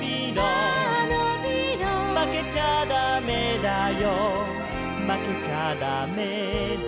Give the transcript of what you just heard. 「まけちゃだめだよまけちゃだめだよ」